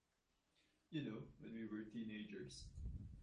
You know, when we were teenagers.